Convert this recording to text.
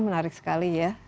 menarik sekali ya